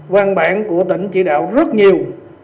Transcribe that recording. văn bản của tỉnh chỉ đạo rất nhiều